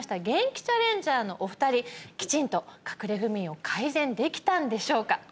ゲンキチャレンジャーのお二人きちんとかくれ不眠を改善できたんでしょうか？